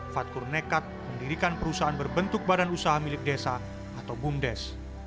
fadkur nekat mendirikan perusahaan berbentuk badan usaha milik desa atau bumdes